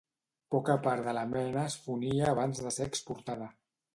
Poca part de la mena es fonia abans de ser exportada.